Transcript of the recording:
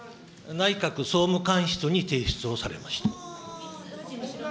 内閣総務官室に提出をされました。